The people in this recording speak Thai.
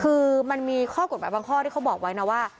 คือมันมีข้อกฎหมายบางข้อที่เขาบอกไว้นะว่า